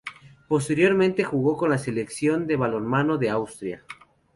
Posteriormente jugó con la Selección de balonmano de Austria.